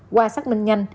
qua xác minh nhanh